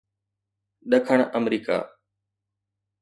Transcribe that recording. ڏکڻ آمريڪا